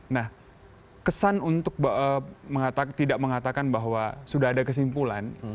nah kesan untuk tidak mengatakan bahwa sudah ada kesimpulan